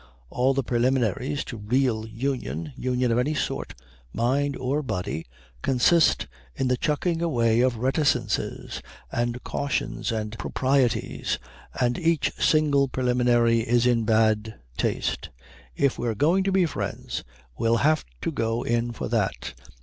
All the preliminaries to real union, union of any sort, mind or body, consist in the chucking away of reticences and cautions and proprieties, and each single preliminary is in bad taste. If we're going to be friends we'll have to go in for that.